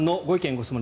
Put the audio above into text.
・ご質問